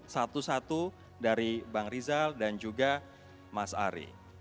satu satu dari bang rizal dan juga mas ari